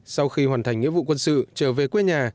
sau khi hoàn thành nghĩa vụ quân sự trở về quê nhà